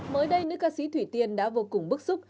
mới đây nữ ca sĩ thủy tiên đã vô cùng bức xúc